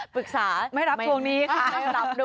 ปรึกษาไม่รับทวงหนี้ค่ะ